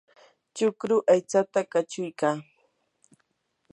chukru aytsata kachuykaa.